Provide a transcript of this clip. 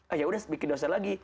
ah yaudah bikin dosa lagi